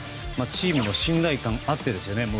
チームの信頼感あってですよね。